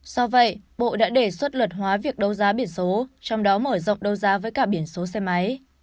do vậy bộ đã đề xuất luật hóa việc đấu giá biển số trong đó mở rộng đấu giá với cả biển số xe máy